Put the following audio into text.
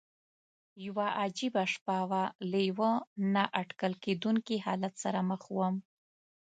یوه عجیبه شپه وه، له یوه نا اټکل کېدونکي حالت سره مخ ووم.